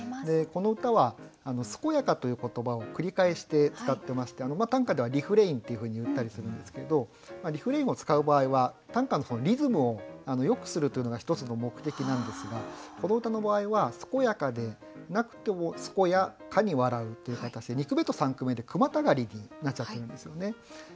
この歌は「健やか」という言葉を繰り返して使ってまして短歌ではリフレインっていうふうに言ったりするんですけどリフレインを使う場合は短歌のリズムをよくするというのが１つの目的なんですがこの歌の場合は「健やかでなくとも健やかに笑う」という形で二句目と三句目で句またがりになっちゃってるんですよね。